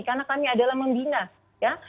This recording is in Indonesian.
karena kami adalah membina ya